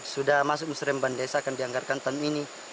sudah masuk musremban desa akan dianggarkan tahun ini